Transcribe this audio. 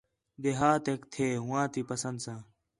دیہاتیک تھے ہواں تی پسند ساں